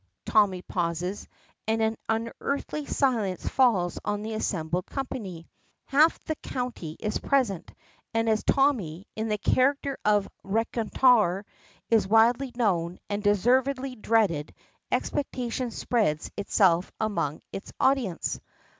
Tommy pauses, and an unearthly silence falls on the assembled company. Half the county is present, and as Tommy, in the character of reconteur, is widely known and deservedly dreaded, expectation spreads itself among his audience.